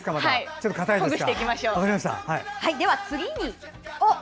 ほぐしていきましょう。